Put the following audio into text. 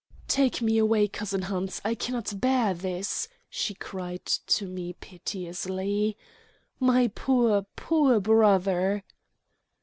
"Take me away, cousin Hans, I cannot bear this," she cried to me piteously. "My poor, poor brother!"